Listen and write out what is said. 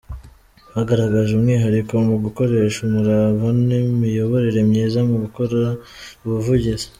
bagaragaje umwihariko mu gukoresha umurava n’imiyoborere myiza mu gukora ubuvugizi